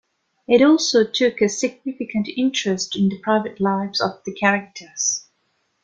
It also took a significant interest in the private lives of the characters.